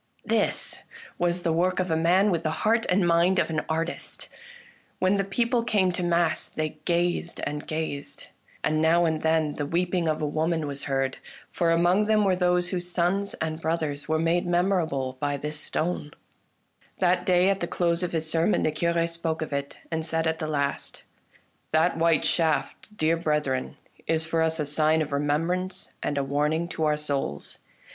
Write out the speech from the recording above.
This was the work of a man with the heart and mind of an artist. When the people came to mass they gazed and gazed, and now and then the weeping of a woman was heard, for among them were those whose sons and brothers were made memorable by this stone. A WORKER IN STONE 141 That day at the close of his sermon the Cure spoke of it, and said at the last :" That white shaft, dear brethren, is for us a sign of remembrance and a warn ing to our souls.